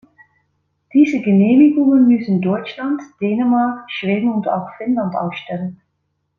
Diese Genehmigungen müssen Deutschland, Dänemark, Schweden und auch Finnland ausstellen.